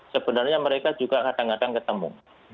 sebenarnya mereka juga kadang kadang ketemu